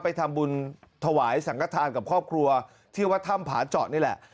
ไปทำบุญถวายสังกฐานกับครอบครัวที่วัดถ้ำผาเจาะนี่แหละ